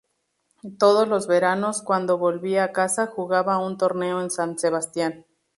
Todos los veranos, cuando volvía a casa, jugaba un torneo en San Sebastián.